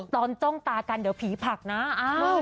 ตอนจ้องตากันเดี๋ยวผีผลักนะอ้าว